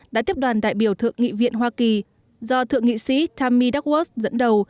đã tiếp đoàn đại biểu thượng nghị viện hoa kỳ do thượng nghị sĩ tammy duckworth dẫn đầu